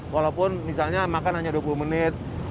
walaupun misalnya makan hanya dua puluh menit